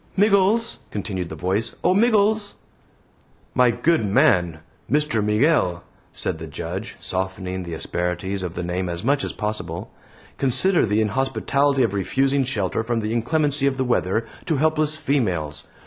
"Miggles!" continued the voice. "O Miggles!" "My good man! Mr. Myghail!" said the Judge, softening the asperities of the name as much as possible. "Consider the inhospitality of refusing shelter from the inclemency of the weather to helpless females.